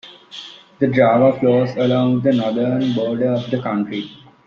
The Drava flows along the northern border of the county.